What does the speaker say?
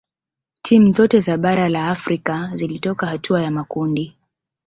timu zote za bara la afrika zilitoka hatua ya makundi